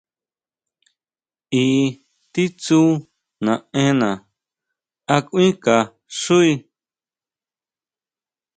¿I titsú naʼenna a kuinʼka xuí.